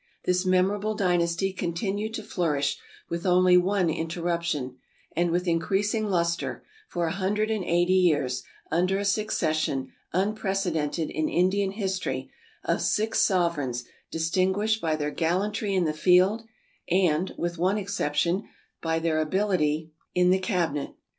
This memorable dynasty continued to flourish, with only one interruption, and with increasing luster, for a hundred and eighty years, under a succession, unprecedented in In dian history, of six sovereigns distinguished by their gallantry in the field, and, with one exception, by their ability in the cabinet.